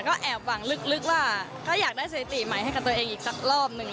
ก็แอบหวังลึกว่าถ้าอยากได้สถิติใหม่ให้กับตัวเองอีกสักรอบหนึ่ง